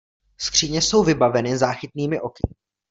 Skříně jsou vybaveny záchytnými oky.